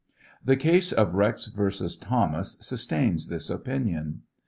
The case of Rex vs. Thomas sustains this opinion.